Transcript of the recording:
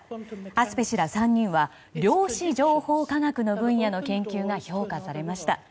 アスペ氏ら３人は量子情報科学の分野の研究が評価されました。